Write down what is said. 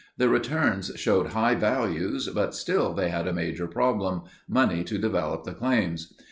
The returns showed high values but still they had a major problem—money to develop the claims.